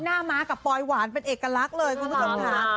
ม้ากับปลอยหวานเป็นเอกลักษณ์เลยคุณผู้ชมค่ะ